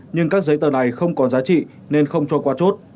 nhưng các giấy tờ này không còn giá trị nên không cho qua chốt